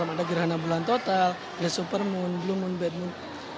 ada gerhana bulan total ada supermoon blue moon bad moon